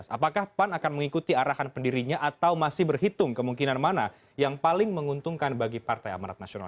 apakah pan akan mengikuti arahan pendirinya atau masih berhitung kemungkinan mana yang paling menguntungkan bagi partai amarat nasional